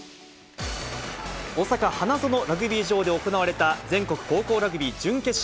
大阪・花園ラグビー場で行われた全国高校ラグビー準決勝。